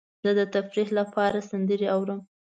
زه د تفریح لپاره سندرې اورم.